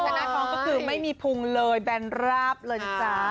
แต่หน้าฐองก็จะไม่มีภูมิเลยแบนระบเลยจ๊ะ